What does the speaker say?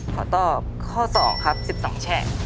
ขอตอบข้อ๒ครับ๑๒แฉก